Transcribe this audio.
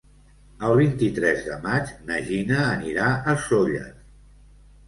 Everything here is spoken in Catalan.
El vint-i-tres de maig na Gina anirà a Sóller.